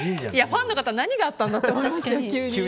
ファンの方何があったんだと思いますよ。